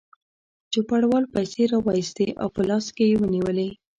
چوپړوال پیسې راوایستې او په لاس کې یې ونیولې.